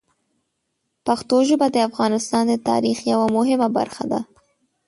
پښتو ژبه د افغانستان د تاریخ یوه مهمه برخه ده.